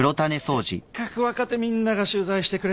せっかく若手みんなが取材してくれたのに。